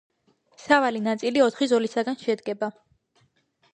სავალი ნაწილი ოთხი ზოლისაგან შედგება.